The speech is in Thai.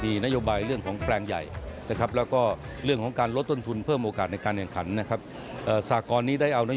มีนโยบายเรื่องของแปลงใหญ่และก็เรื่องของการลดต้นทุน